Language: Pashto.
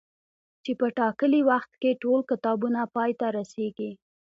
چي په ټاکلي وخت کي ټول کتابونه پاي ته رسيږي